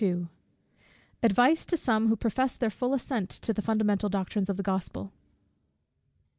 _Advice to some who profess their full Assent to the fundamental Doctrines of the Gospel.